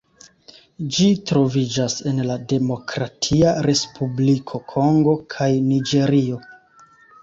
Ĝi troviĝas en la Demokratia Respubliko Kongo kaj Niĝerio.